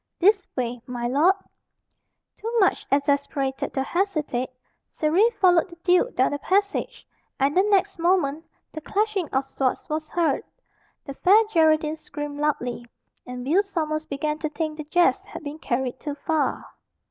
This way, my lord." Too much exasperated to hesitate, Surrey followed the duke down the passage, and the next moment the clashing of swords was heard. The Fair Geraldine screamed loudly, and Will Sommers began to think the jest had been carried too far.